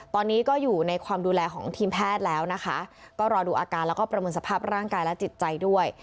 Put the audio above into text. ตอนนี้ก็อยู่ในความดูแลของทีมแพทย์แล้วนะคะก็รอดูอาการแล้วก็ประเมินสภาพร่างกายและจิตใจด้วย